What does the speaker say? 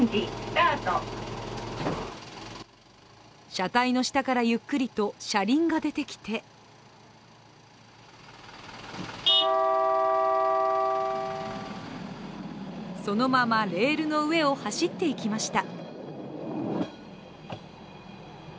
車体の下からゆっくりと、車輪が出てきてそのままレールの上を走っていきました。